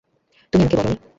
তুমি আমাকে বলোনি!